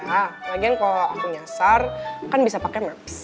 ya lagi kalau aku nyasar kan bisa pakai maps